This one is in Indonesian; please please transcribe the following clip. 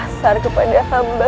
kasar kepada hamba